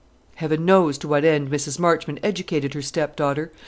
Heaven knows to what end Mrs. Marchmont educated her stepdaughter!